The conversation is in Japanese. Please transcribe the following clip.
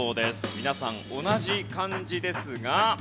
皆さん同じ漢字ですが。